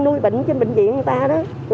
nuôi bệnh trên bệnh viện người ta đó